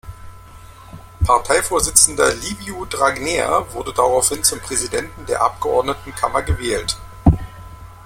Parteivorsitzender Liviu Dragnea wurde daraufhin zum Präsidenten der Abgeordnetenkammer gewählt.